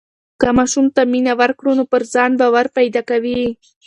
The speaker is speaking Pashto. که ماشوم ته مینه ورکړو نو پر ځان باور پیدا کوي.